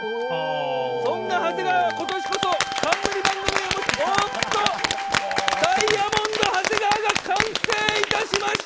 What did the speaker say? そんな長谷川は今年こそ冠番組を持ちたいと、おっと、ダイヤモンド長谷川が完成いたしました。